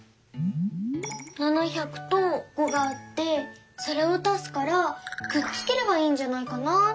「７００」と「５」があってそれを足すからくっつければいいんじゃないかなって。